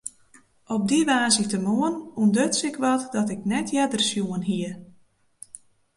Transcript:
Op dy woansdeitemoarn ûntduts ik eat dat ik nea earder sjoen hie.